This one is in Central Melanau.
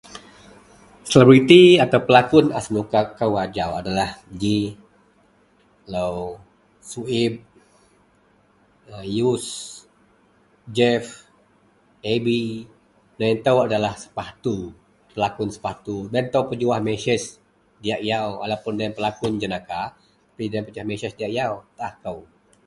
selebriti atau pelakon a senuka kou ajau adalah ji lau suib, lau yus, jep, aby, lau ito adalah Sepatu, pelakon Sepatu lau itou pejuah mesej diak yau walaupun lauyien pelakon jenaka tapi lauyien pejuah mesej diak yau taah kou